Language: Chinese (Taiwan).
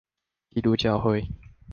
基督教會